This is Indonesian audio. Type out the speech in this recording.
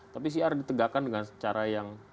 tapi cr ditegakkan dengan cara yang